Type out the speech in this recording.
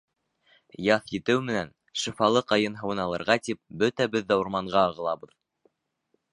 Яҙ етеү менән, шифалы ҡайын һыуын алырға тип, бөтәбеҙ ҙә урманға ағылабыҙ.